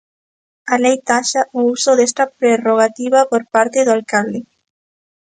A lei taxa o uso desta prerrogativa por parte do alcalde.